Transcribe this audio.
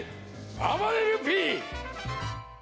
あばれるＰ！